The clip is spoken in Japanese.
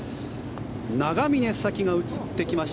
永峰咲希が映ってきました。